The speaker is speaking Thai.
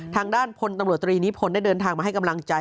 ทางด้านพลตำรวจตรีนิพนธ์ได้เดินทางมาให้กำลังใจ